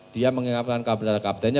dia mengingatkan kepada kaptennya